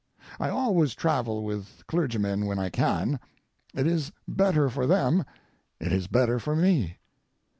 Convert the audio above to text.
I always travel with clergymen when I can. It is better for them, it is better for me.